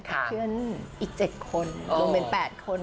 เพื่อนอีก๗คนรวมเป็น๘คน